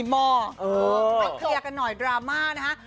เคลียร์กันหน่อยดราม่านะฮะ